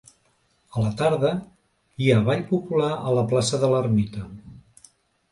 A la tarda, hi ha ball popular a la plaça de l'ermita.